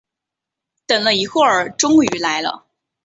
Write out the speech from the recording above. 等了一会儿终于来了